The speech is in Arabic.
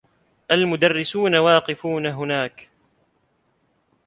المدرّسون واقفون هناك.